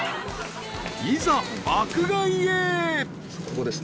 ［いざ爆買いへ］